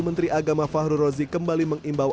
menteri agama fahru rozi kembali mengimbau